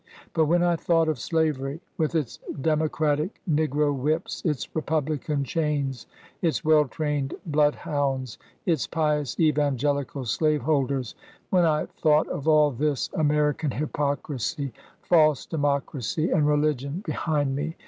But when I thought of slavery, with its democratic negro whips, its republican chains, its well trained bloodhounds, its pious, evangelical slaveholders, — when I thought of all this American hypocrisy, false democracy and religion id me.